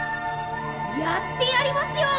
やってやりますよ！